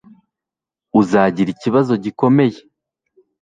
uzagira ikibazo gikomeye